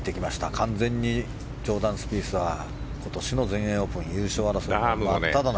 完全ジョーダン・スピースは今年の全英オープン優勝争い真っただ中。